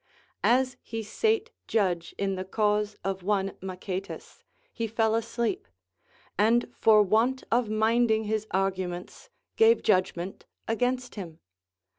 As he sate judge in the cause of one Machaetas, he fell asleep, and for want of minding his arguments, gave judg ment against him.